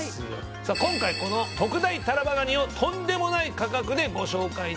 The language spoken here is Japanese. さあ今回この特大タラバガニをとんでもない価格でご紹介いたします。